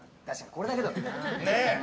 これだけだとな。